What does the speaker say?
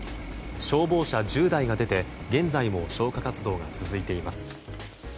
消防車１０台が出て現在も消火活動が続いています。